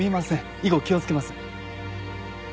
以後気をつけます。